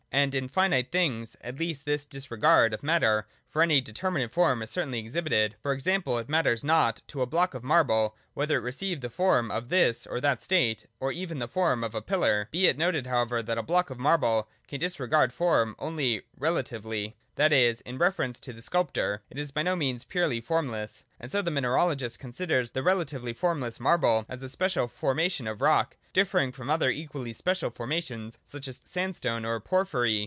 And in finite things at least this disregard of matter for any determinate form is certainly exhibited. For example, it matters not to a block of marble, whether it receive the form of this or that statue or even the form of a pillar. Be it noted however that a block of marble can disre gard form only relatively, that is, in reference to the sculptor : it is by no means purely formless. And so the minera logist considers the relatively formless marble as a special formation of rock, differing from other equally special form ations, such as sandstone or porphyry.